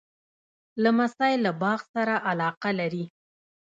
لمسی له باغ سره علاقه لري.